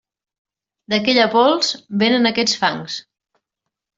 D'aquella pols, vénen aquests fangs.